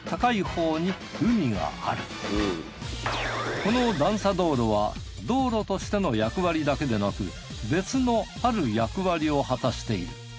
この段差道路は道路としての役割だけでなく別のある役割を果たしている。